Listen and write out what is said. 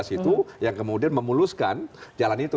dua ribu delapan belas itu yang kemudian memuluskan jalan itu